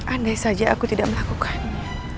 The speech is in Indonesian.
andai saja aku tidak melakukannya